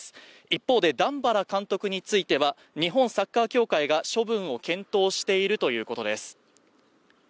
一方で段原監督については日本サッカー協会が処分を検討しているということです。